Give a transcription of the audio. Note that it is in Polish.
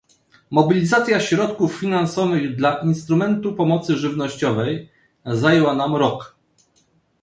Mobilizacja środków finansowych dla instrumentu pomocy żywnościowej zajęła nam rok